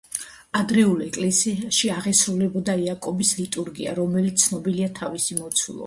ადრეულ ეკლესიაში აღესრულებოდა და იაკობის ლიტურგია, რომელიც ცნობილია თავისი მოცულობით.